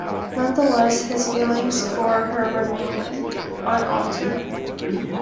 Nonetheless, his feelings for her remain unaltered.